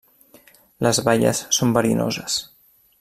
Les baies són verinoses.